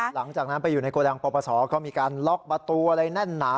หลังจากนั้นไปอยู่ในโกดังปปศก็มีการล็อกประตูอะไรแน่นหนา